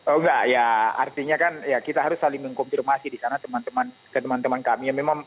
oh enggak ya artinya kan ya kita harus saling mengkonfirmasi di sana teman teman kami